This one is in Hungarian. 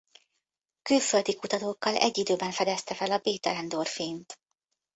Külföldi kutatókkal egy időben fedezte fel a béta-endorfint.